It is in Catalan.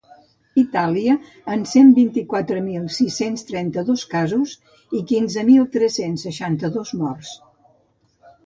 Itàlia, amb cent vint-i-quatre mil sis-cents trenta-dos casos i quinze mil tres-cents seixanta-dos morts.